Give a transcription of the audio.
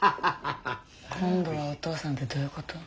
今度はお父さんってどういうこと？